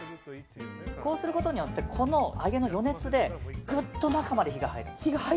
こうすることによってこの揚げの余熱でぐっと中まで火が入る。